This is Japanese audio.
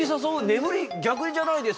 眠り逆じゃないですか。